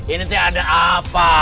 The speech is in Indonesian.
ini teh ada apa